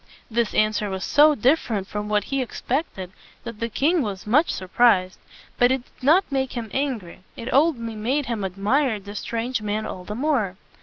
This answer was so dif fer ent from what he expected, that the king was much sur prised. But it did not make him angry; it only made him admire the strange man all the more.